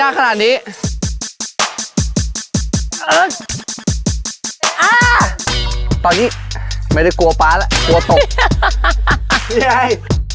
เอออ่าตอนนี้ไม่ได้กลัวป๊าแล้วกลัวตกนี่ไง